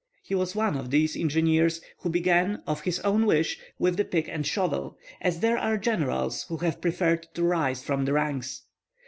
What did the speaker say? He was one of these engineers who began of his own wish with the pick and shovel, as there are generals who have preferred to rise from the ranks.